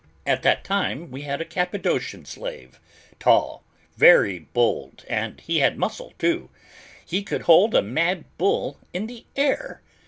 At that time, we had a Cappadocian slave, tall, very bold, and he had muscle too; he could hold a mad bull in the air!